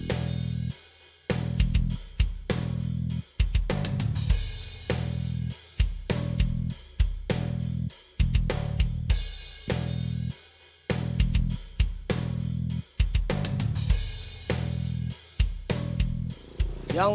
iwan itu guru saya